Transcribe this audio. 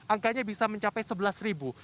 angkanya bisa mencapai sebelas ribu